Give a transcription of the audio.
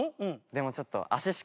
でもちょっと。